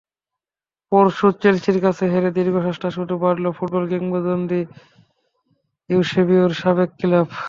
পরশু চেলসির কাছে হেরে দীর্ঘশ্বাসটাই শুধু বাড়াল ফুটবল কিংবদন্তি ইউসেবিওর সাবেক ক্লাব।